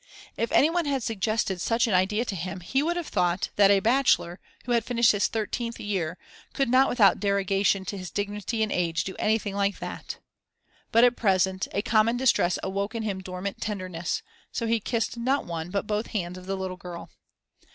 If any one had suggested such an idea to him he would have thought that a bachelor, who had finished his thirteenth year, could not without derogation to his dignity and age do anything like that. But, at present, a common distress awoke in him dormant tenderness; so he kissed not one but both hands of the little girl.